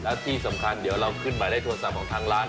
และที่สำคัญเดี๋ยวเราขึ้นมาได้ตัวซับของทางร้าน